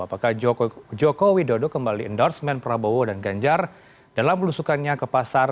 apakah joko widodo kembali endorsement prabowo dan ganjar dalam belusukannya ke pasar